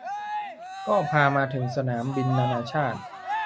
ก็พามาถึงสนามบินนานาชาติ